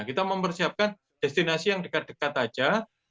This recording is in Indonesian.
kita mempersiapkan destinasi yang dekat dekat saja